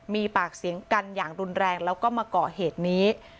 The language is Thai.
มีปากเสียงกันอย่างรุนแรงแล้วก็มาก่อเหตุนี้